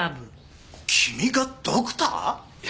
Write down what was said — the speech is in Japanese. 君がドクター？